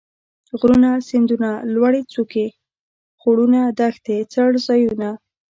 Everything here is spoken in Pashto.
غرونه ،سيندونه ،لوړې څوکي ،خوړونه ،دښتې ،څړ ځايونه